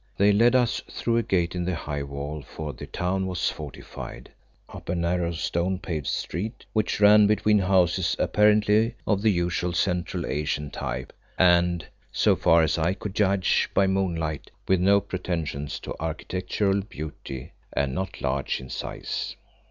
They led us through a gate in the high wall, for the town was fortified, up a narrow, stone paved street which ran between houses apparently of the usual Central Asian type, and, so far as I could judge by moonlight, with no pretensions to architectural beauty, and not large in size.